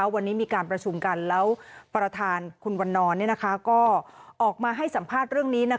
วันนี้มีการประชุมกันแล้วประธานคุณวันนอนก็ออกมาให้สัมภาษณ์เรื่องนี้